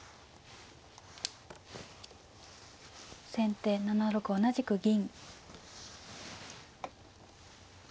先手７六同じく銀。